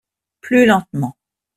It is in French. Plus lentement.